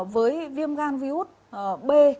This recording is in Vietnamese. với viêm gan virus b